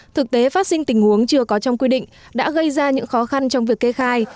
thực tế phát sinh tình huống chưa có trong quy định đã gây ra những khó khăn trong việc kê khai